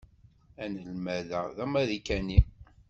Anelmad-a d Amarikani.